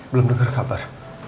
belum denger kabar